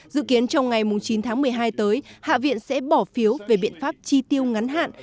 dự kiến trong ngày chín tháng một mươi hai tới hạ viện sẽ bỏ phiếu về biện pháp chi tiêu ngắn hạn